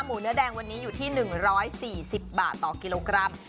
เนื้อแดงวันนี้อยู่ที่๑๔๐บาทต่อกิโลกรัม